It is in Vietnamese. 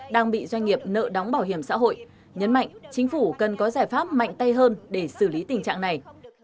đang bị doanh nghiệp nợ đóng bảo hiểm xã hội nhấn mạnh chính phủ cần có giải pháp mạnh tay hơn để xử lý tình trạng này